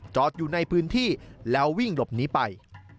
อยู่ในพื้นที่แล้ววิ่งหลบหนีไป